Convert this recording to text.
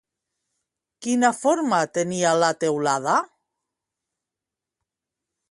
Quina forma tenia la teulada?